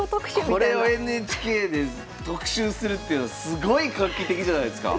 これをＮＨＫで特集するっていうのすごい画期的じゃないすか？